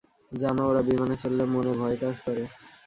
জানো ওরা বিমানে চড়লে মনে ভয় কাজ করে।